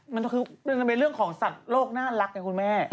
มันก็คือเป็นเรื่องของสัตว์โลกน่ารักเนี่ยคุณแม่